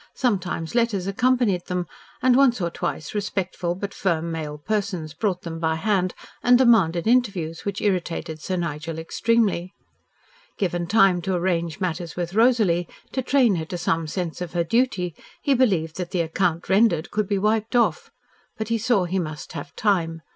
Sometimes letters accompanied them, and once or twice respectful but firm male persons brought them by hand and demanded interviews which irritated Sir Nigel extremely. Given time to arrange matters with Rosalie, to train her to some sense of her duty, he believed that the "acct. rendered" could be wiped off, but he saw he must have time.